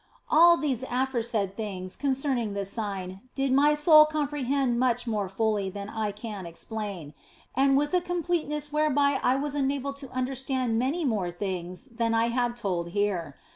All these aforesaid things concerning this sign did my soul comprehend much more fully than I can explain, and with a completeness whereby I was enabled to under stand many more things than I have told here.